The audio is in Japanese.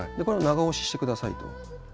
これを長押ししてくださいと。